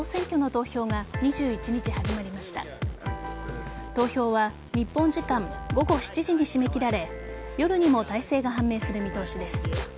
投票は日本時間午後７時に締め切られ夜にも大勢が判明する見通しです。